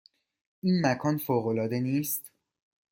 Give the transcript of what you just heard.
این مکان فوق العاده نیست؟